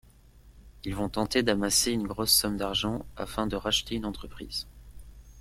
Ils vont tenter d'amasser une grosse somme d'argent afin de racheter une entreprise.